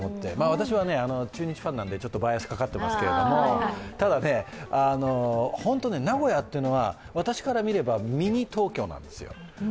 私は中日ファンなんで、ちょっとバイアスかかってますがただ、ホント名古屋というのは私から見ればミニ東京なんですよ。